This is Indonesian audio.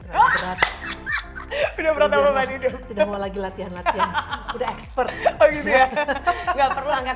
terat terat udah berat beban hidup lagi latihan latih udah expert nggak perlu angkat